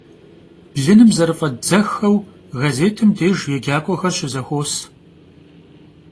Blınım zerıf'eddzexxeu, gazêtım dêjj yêcak'uexer şızexuos.